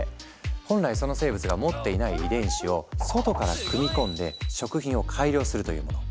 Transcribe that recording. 本来その生物が持っていない遺伝子を外から組み込んで食品を改良するというもの。